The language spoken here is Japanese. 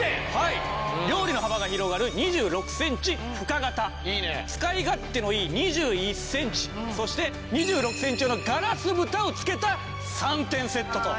料理の幅が広がる２６センチ深型使い勝手のいい２１センチそして２６センチ用のガラス蓋を付けた３点セットと。